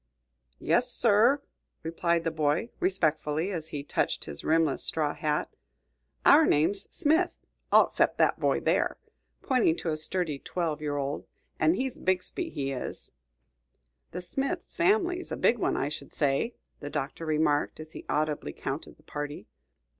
"Yes, sir," replied the boy, respectfully, as he touched his rimless straw hat; "our name's Smith; all 'cept that boy there," pointing to a sturdy little twelve year old, "an' he's a Bixby, he is." "The Smith family's a big one, I should say," the Doctor remarked, as he audibly counted the party.